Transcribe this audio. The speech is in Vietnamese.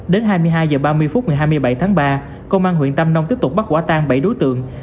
đến hai mươi hai h ba mươi phút ngày hai mươi bảy tháng ba công an huyện tam nông tiếp tục bất quả tăng bảy đối tượng